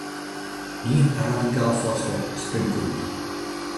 Ien ‘radikaal’ foarstel springt derút.